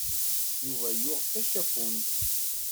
Yuba yuɣ-d tačapunt.